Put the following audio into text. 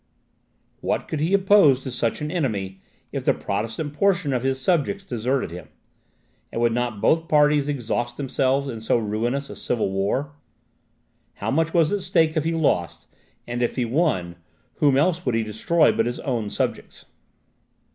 What could he oppose to such an enemy, if the Protestant portion of his subjects deserted him? And would not both parties exhaust themselves in so ruinous a civil war? How much was at stake if he lost; and if he won, whom else would he destroy but his own subjects?